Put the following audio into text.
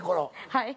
はい。